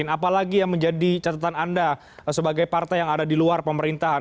apalagi yang menjadi catatan anda sebagai partai yang ada di luar pemerintahan